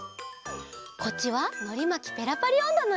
こっちは「のりまきペラパリおんど」のえ！